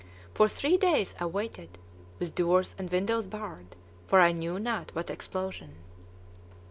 For three days I waited, with doors and windows barred, for I knew not what explosion.